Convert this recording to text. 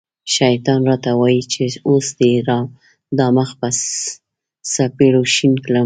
شیطان را ته وايي چې اوس دې دا مخ په څپېړو شین کړم.